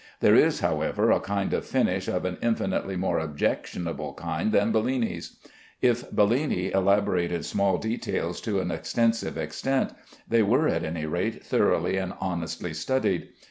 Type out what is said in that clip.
There is, however, a kind of finish of an infinitely more objectionable kind than Bellini's. If Bellini elaborated small details to an extensive extent, they were at any rate thoroughly and honestly studied.